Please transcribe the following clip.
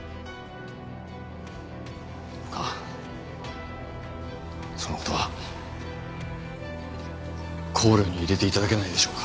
どうかその事は考慮に入れて頂けないでしょうか？